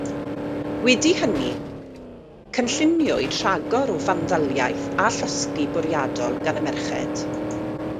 Wedi hynny, cynlluniwyd rhagor o fandaliaeth a llosgi bwriadol gan y merched.